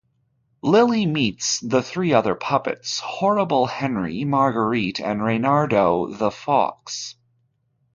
Lili meets the three other puppets: Horrible Henry, Marguerite, and Reynardo the Fox.